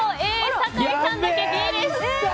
酒井さんだけＢです。